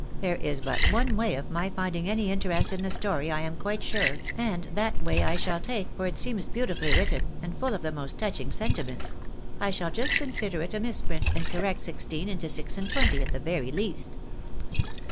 There is but one way of my finding any interest in the story, I am quite sure, and that way I shall take, for it seems beautifully written, and full of the most touching sentiments — I shall just consider it a misprint, and correct sixteen into six and twenty at the very least."